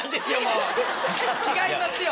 違いますよ！